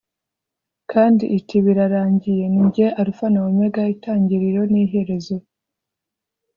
Kandi iti “Birarangiye. Ni jye Alufa na Omega, itangiriro n’iherezo.